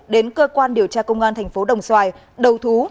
đến cơ quan điều tra công an thành phố đồng xoài đầu thú